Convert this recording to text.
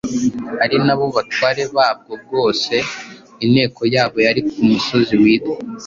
ari na bo batware babwo bwose. Inteko yabo yari ku musozi witwa